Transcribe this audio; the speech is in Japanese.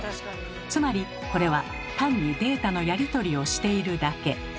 つまりこれは単にデータのやり取りをしているだけ。